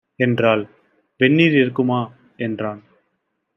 என்றாள். "வெந்நீர் இருக்குமா" என்றான்.